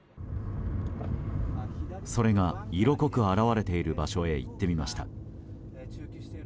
それが色濃く表れている場所へ行ってみました。